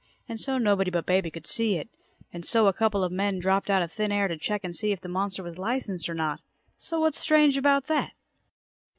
And so nobody but baby could see it. And so a couple of men dropped out of thin air to check and see if the monster was licensed or not. So what's strange about that?